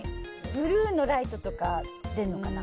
ブルーのライトとか出るのかな？